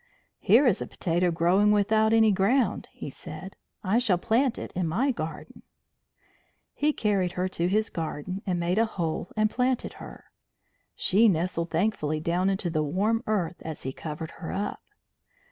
"Here is a potato growing without any ground," he said. "I shall plant it in my garden." He carried her to his garden, made a hole, and planted her. She nestled thankfully down into the warm earth as he covered her up.